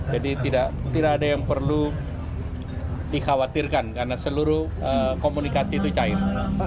jadi tidak ada yang perlu dikhawatirkan karena seluruh komunikasi itu cair